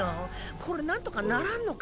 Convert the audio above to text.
これ何とかならんのか？